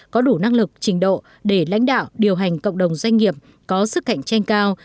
có đủ năng lực trình độ để lãnh đạo điều hành cộng đồng doanh nghiệp có sức cạnh tranh cao